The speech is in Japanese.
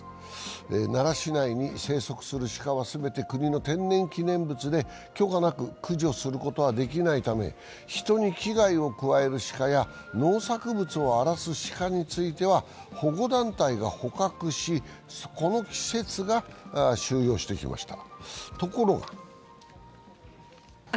奈良市内に生息する鹿は全て国の天然記念物で許可なく駆除することはできないため、人に危害を加える鹿や農作物を荒らす鹿については保護団体が捕獲し、この施設が収容してきました。